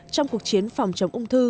trong cuộc chiến phòng chống ung thư